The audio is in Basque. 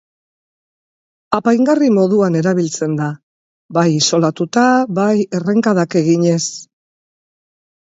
Apaingarri moduan erabiltzen da, bai isolatuta bai errenkadak eginez.